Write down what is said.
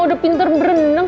udah pinter berenang